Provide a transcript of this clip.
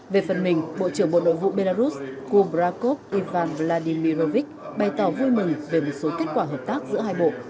về phần mình bộ trưởng bộ nội vụ belarus kubrakov ivan vladimirovich bày tỏ vui mừng về một số kết quả hợp tác giữa hai bộ